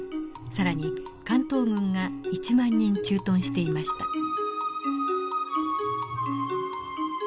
更に関東軍が１万人駐屯していました。